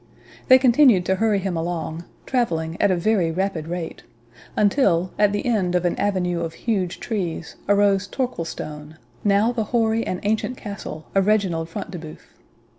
They continued to hurry him along, travelling at a very rapid rate, until, at the end of an avenue of huge trees, arose Torquilstone, now the hoary and ancient castle of Reginald Front de Bœuf.